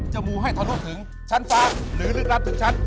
มูให้ทะลุถึงชั้นฟ้าหรือลึกลับถึงชั้น